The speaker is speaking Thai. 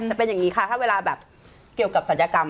จะเป็นอย่างนี้ค่ะถ้าเวลาแบบเกี่ยวกับศัลยกรรม